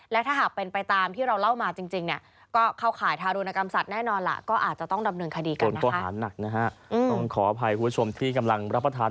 และถ้าหากเป็นไปตามที่เราเล่ามาจริง